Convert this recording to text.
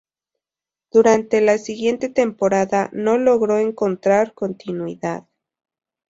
Durante la siguiente temporada, no logró encontrar continuidad.